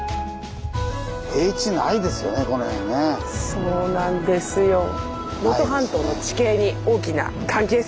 そうなんですよ。ね？